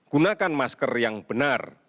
gunakan masker yang benar